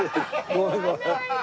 ごめんごめん。